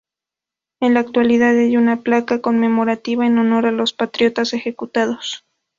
En la actualidad hay una placa conmemorativa en honor a los patriotas ejecutados.